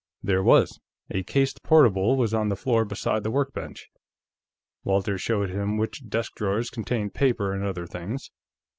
There was: a cased portable was on the floor beside the workbench. Walters showed him which desk drawers contained paper and other things.